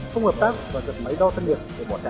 không hợp tác và giật máy đo thân nhiệt để bỏ chạy